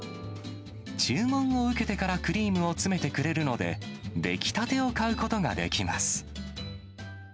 注文を受けてからクリームを詰めてくれるので、出来たてを買うことができます。